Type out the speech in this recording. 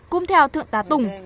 cũng theo thượng tá tùng